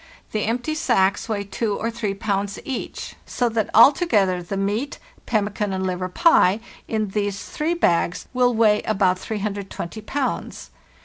The empty sacks weigh 2 or 3 pounds each, so that alto gether the meat (pemmican and liver pie) in these three bags will weigh about 320 pounds.